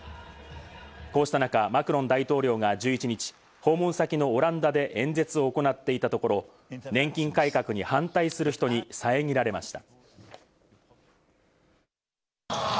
こうした中、マクロン大統領が１１日、訪問先のオランダで演説を行っていたところ、年金改革に反対する人に遮られました。